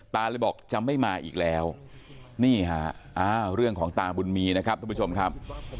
ตาเลยบอกจะไม่มาอีกแล้วนี่ฮะอ้าวเรื่องของตาบุญมีนะครับทุกผู้ชมครับ